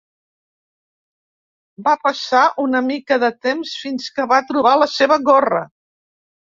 Va passar una mica de temps fins que va trobar la seva gorra.